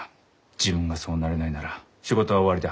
自分がそうなれないなら仕事は終わりだ。